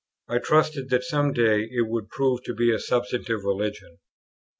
I trusted that some day it would prove to be a substantive religion.